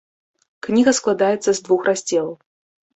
Кніга складаецца з двух раздзелаў.